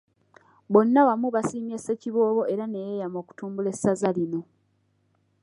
Bonna wamu basiimye Ssekiboobo era ne yeeyama okutumbula essaza lino.